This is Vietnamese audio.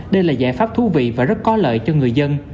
đây là giải pháp thú vị và rất có lợi cho người dân